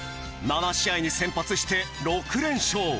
７試合に先発して６連勝。